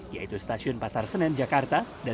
yaitu stasiun pasar senen jakarta